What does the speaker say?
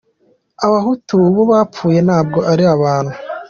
Abahutu bo bapfuye ntabwo ari abantu.